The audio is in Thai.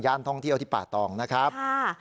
ท่องเที่ยวที่ป่าตองนะครับ